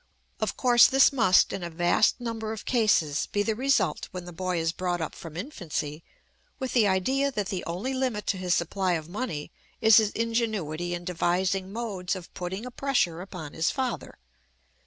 Of course this must, in a vast number of cases, be the result when the boy is brought up from infancy with the idea that the only limit to his supply of money is his ingenuity in devising modes of putting a pressure upon his father.